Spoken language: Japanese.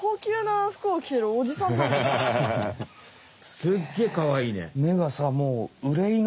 すっげえかわいいね。